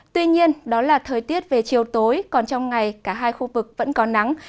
tuy nhiên đó là thời tiết về chiều tối còn trong ngày cả hai khu vực vẫn có nắng